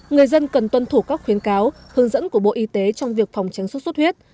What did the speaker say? nhưng cần tuân thủ các khuyến cáo hướng dẫn của bộ y tế trong việc phòng chống sốt xuất huyết